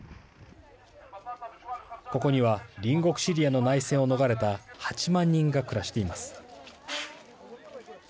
ここには隣国シリアの内戦を逃れた８万人が暮らしています。